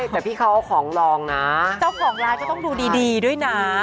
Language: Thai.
แต่พี่เขาเอาของลองนะเจ้าของร้านก็ต้องดูดีด้วยนะ